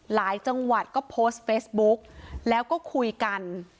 จังหวัดก็โพสต์เฟซบุ๊กแล้วก็คุยกัน